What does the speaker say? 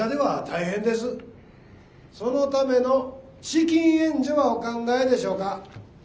そのための資金援助はお考えでしょうか？